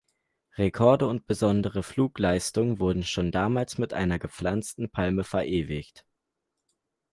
Rekorde und besondere Flugleistungen wurden schon damals mit einer gepflanzten Palme verewigt.